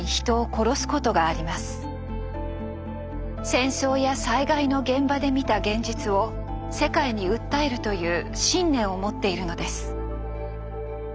戦争や災害の現場で見た現実を世界に訴えるという信念を持っているのです。